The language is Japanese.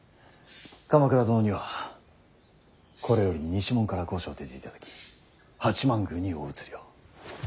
鎌倉殿にはこれより西門から御所を出ていただき八幡宮にお移りを。